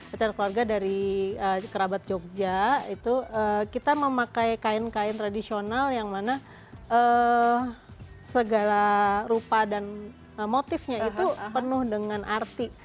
acara keluarga dari kerabat jogja itu kita memakai kain kain tradisional yang mana segala rupa dan motifnya itu penuh dengan arti